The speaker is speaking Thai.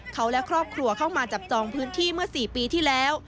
เขาและครอบครัวเข้ามาจับจองพื้นที่เมื่อ๔ปีที่แล้ว